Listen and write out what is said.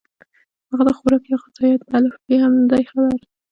هغه د خوراک يا غذائيت پۀ الف ب هم نۀ دي خبر